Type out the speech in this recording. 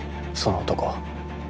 その男。